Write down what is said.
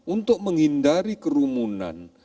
untuk menghindari kerumunan